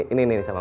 ini sama mama ya